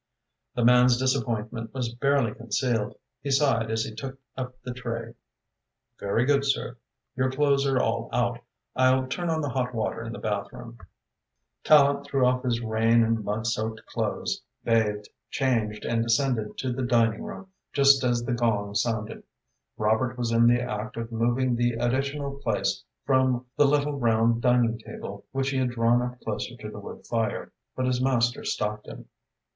The man's disappointment was barely concealed. He sighed as he took up the tray. "Very good, sir. Your clothes are all out. I'll turn on the hot water in the bathroom." Tallente threw off his rain and mud soaked clothes, bathed, changed and descended to the dining room just as the gong sounded. Robert was in the act of moving the additional place from the little round dining table which he had drawn up closer to the wood fire, but his master stopped him.